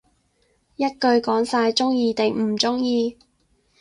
一句講晒，鍾意定唔鍾意